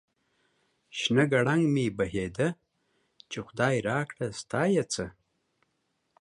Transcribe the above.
شنه گړنگ مې بهيده ، چې خداى راکړه ستا يې څه ؟